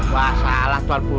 wah salah tuan putri